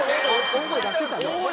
大声出してたん？